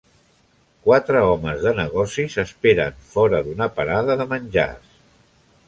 Quatre homes de negocis esperen fora d'una parada de menjars.